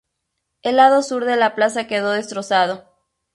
El lado sur de la Plaza quedó destrozado.